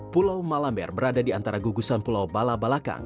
pulau malamber berada di antara gugusan pulau balabalakang